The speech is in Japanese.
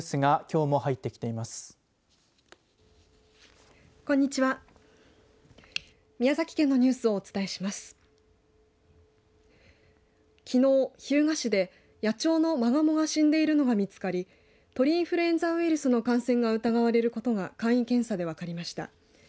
日向市で野鳥のまがもが死んでいるのが見つかり鳥インフルエンザウイルスの感染が疑われることが簡易検査で分かりました。